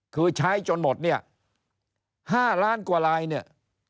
คือใช้จนหมดเนี่ย๕ล้านกว่าลายเนี่ย